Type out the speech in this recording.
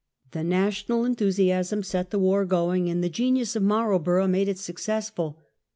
The national enthusiasm set the war going, and the genius of Marlborough made it successful.